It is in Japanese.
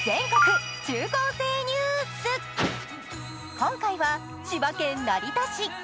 今回は千葉県成田市。